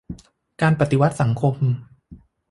การปฏิวัติสังคม